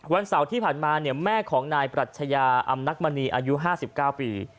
วันเสาร์ที่ผ่านมาเนี่ยแม่ของนายปรัชญาอำนักมณีอายุห้าสิบก้าวปี